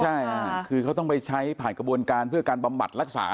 ใช่เขาต้องไปใช้ผ่านกระบวนการเพื่อการประหมัดรักษา